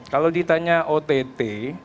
kalau ditanya ott